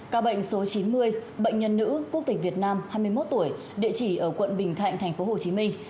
ca bệnh số chín mươi bệnh nhân nữ quốc tịch việt nam hai mươi một tuổi địa chỉ ở quận bình thạnh thành phố hồ chí minh